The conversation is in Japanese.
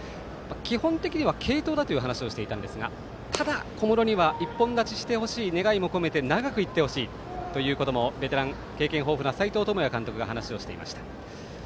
基本的に継投だという話をしていましたがただ、小室には一本立ちしてほしい願いも込めて長く行ってほしいということもベテランで経験豊富な斎藤智也監督も話をしていました。